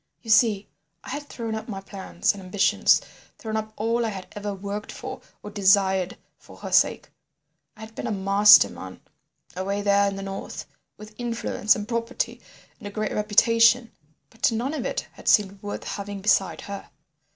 "You see, I had thrown up my plans and ambitions, thrown up all I had ever worked for or desired for her sake. I had been a master man away there in the north, with influence and property and a great reputation, but none of it had seemed worth having beside her.